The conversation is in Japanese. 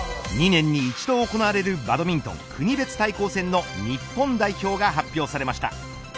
２年に一度行われるバドミントン国別対抗戦の日本代表が発表されました。